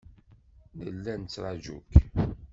Nella nettraju-k.